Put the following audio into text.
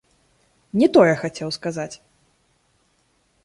Не тое хацеў сказаць!